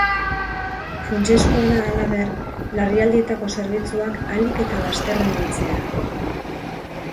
Funtsezkoa da, halaber, larrialdietako zerbitzuak ahalik eta lasterren deitzea.